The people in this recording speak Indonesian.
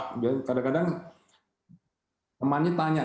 kadang kadang temannya tanya